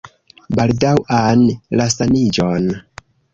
Baldaŭan resaniĝon!